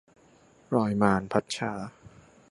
รอยมาร - พัดชา